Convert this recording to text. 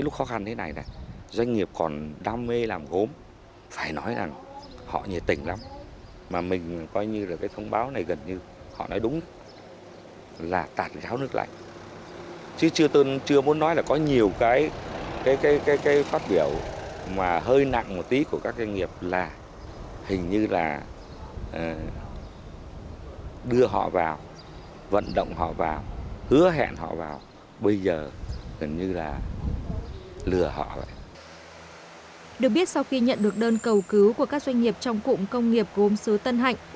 được biết sau khi nhận được đơn cầu cứu của các doanh nghiệp trong cụm công nghiệp gốm xứ tân hạnh